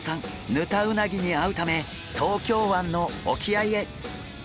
ヌタウナギに会うため東京湾の沖合へ。